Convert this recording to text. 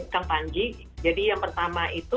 kang panji jadi yang pertama itu